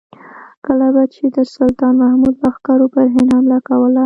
کله به چې د سلطان محمود لښکرو پر هند حمله کوله.